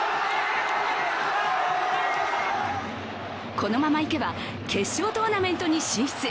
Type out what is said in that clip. このままいけば決勝トーナメントに進出。